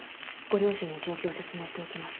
ご両親に状況を説明しておきます。